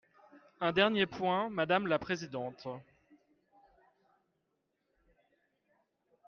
Un dernier point, madame la présidente.